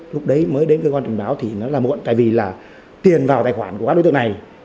lúc đấy mới đến cơ quan trình báo thì nó là muộn tại vì là tiền vào tài khoản của các đối tượng này